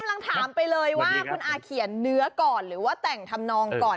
กำลังถามไปเลยว่าคุณอาเขียนเนื้อก่อนหรือว่าแต่งทำนองก่อน